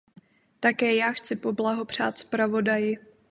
Také já chci poblahopřát zpravodaji.